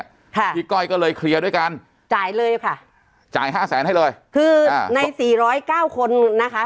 ค่ะพี่ก้อยก็เลยเคลียร์ด้วยกันจ่ายเลยค่ะจ่ายห้าแสนให้เลยคือในสี่ร้อยเก้าคนนะคะ